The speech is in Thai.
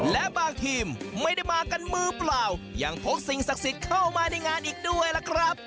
และบางทีมไม่ได้มากันมือเปล่ายังพกสิ่งศักดิ์สิทธิ์เข้ามาในงานอีกด้วยล่ะครับ